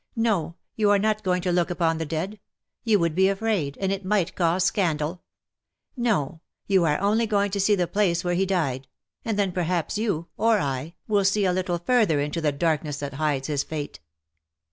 " No, you are not going to look, upon the dead. You would be afraid, and it might cause scandal. No, you are only goiug to see the place where he died ; and then perhaps you, or I, will see a little further into the darkness that hides his fate.